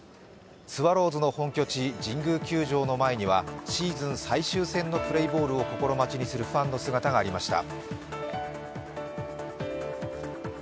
スワローズの本拠地、神宮球場前にはシーズン最終戦のプレーボールを心待ちにするファンの姿がありました。